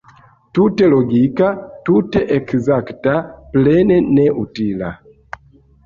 Tute logika, tute ekzakta, plene neutila.